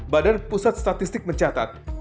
badan pusat statistik mencatat